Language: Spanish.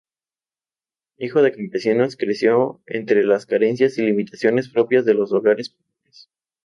Hijo de campesinos, creció entre las carencias y limitaciones propias de los hogares pobres.